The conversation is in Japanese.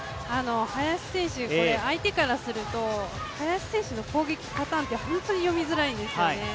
林選手、相手からすると林選手の攻撃パターンって本当に読みづらいんですよね。